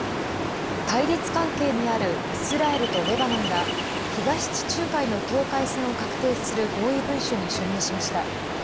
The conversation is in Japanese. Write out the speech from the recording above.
対立関係にあるイスラエルとレバノンが東地中海の境界線を画定する合意文書に署名しました。